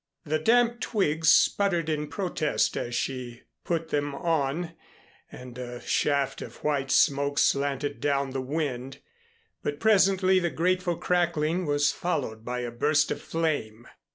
The damp twigs sputtered in protest as she put them on and a shaft of white smoke slanted down the wind, but presently the grateful crackling was followed by a burst of flame.